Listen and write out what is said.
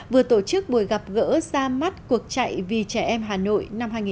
vừa tổ chức buổi gặp gỡ ra mắt cuộc chạy vì trẻ em hà nội năm hai nghìn hai mươi